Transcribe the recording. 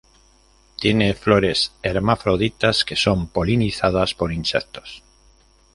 Tiene flores hermafroditas que son polinizadas por insectos.